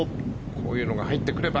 こういうのが入ってくれば。